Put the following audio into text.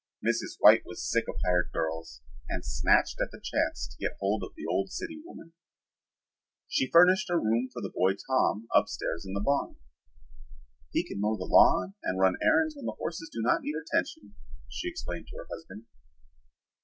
Mrs. White was sick of hired girls and snatched at the chance to get hold of the old city woman. She furnished a room for the boy Tom upstairs in the barn. "He can mow the lawn and run errands when the horses do not need attention," she explained to her husband.